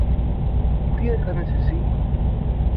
Τι έκανες εσύ;